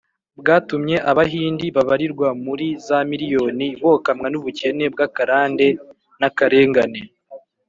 bwatumye abahindi babarirwa muri za miriyoni bokamwa n’ubukene bw’akarande n’akarengane.